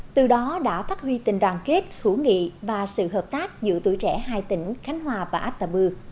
từ đó đã phát huy tình đoàn kết hữu nghị và sự hợp tác giữa tuổi trẻ hai tỉnh khánh hòa và ata bưu